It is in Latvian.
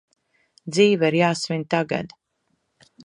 Dzīve ir jāsvin tagad!